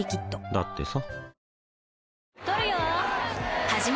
だってさ